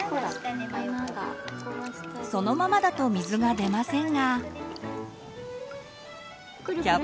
そのままだと水が出ませんが。